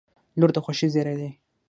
• لور د خوښۍ زېری دی.